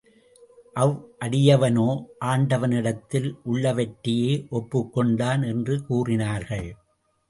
அவ்வடியவனோ ஆண்டவனிடத்தில் உள்ளவற்றையே ஒப்புக் கொண்டான் என்று கூறினார்கள்.